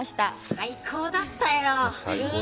最高だったよ。